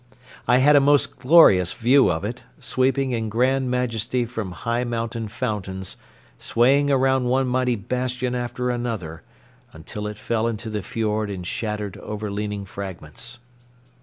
I had a most glorious view of it, sweeping in grand majesty from high mountain fountains, swaying around one mighty bastion after another, until it fell into the fiord in shattered overleaning fragments.